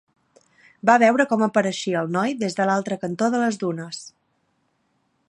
Va veure com apareixia el noi des de l'altre cantó de les dunes.